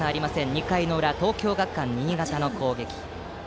２回の裏、東京学館新潟の攻撃。